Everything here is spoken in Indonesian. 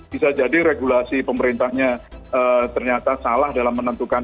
bisa jadi regulasi pemerintahnya ternyata salah dalam menentukan